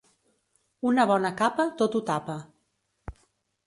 Una bona capa tot ho tapa.